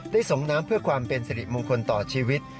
ส่งน้ำเพื่อความเป็นสิริมงคลต่อชีวิต